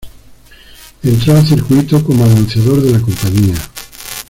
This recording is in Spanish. Entró al circuito como anunciador de la compañía.